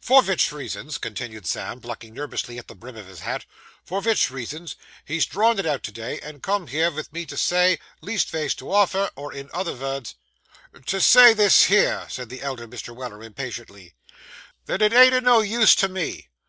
'For vich reasons,' continued Sam, plucking nervously at the brim of his hat 'for vich reasons, he's drawn it out to day, and come here vith me to say, leastvays to offer, or in other vords ' 'To say this here,' said the elder Mr. Weller impatiently, 'that it ain't o' no use to me.